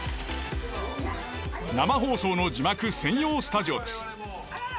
生放送の字幕専用スタジオです。